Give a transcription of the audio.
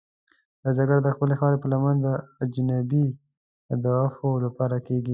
دا جګړه د خپلې خاورې پر لمن د اجنبي اهدافو لپاره کېږي.